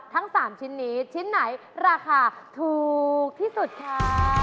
ทั้ง๓ชิ้นนี้ชิ้นไหนราคาถูกที่สุดค่ะ